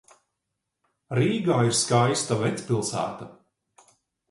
Rīgā ir skaista vecpilsēta.